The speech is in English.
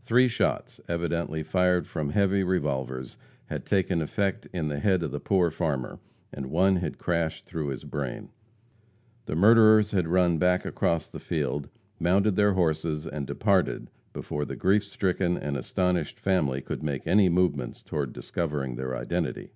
Three shots, evidently fired from heavy revolvers, had taken effect in the head of the poor farmer, and one had crashed through his brain. The murderers had run back across the field, mounted their horses and departed before the grief stricken and astonished family could make any movements toward discovering their identity.